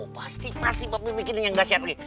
pasti pasti be bikinin yang gak siap lagi